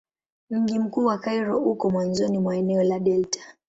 Mji mkuu wa Kairo uko mwanzoni mwa eneo la delta.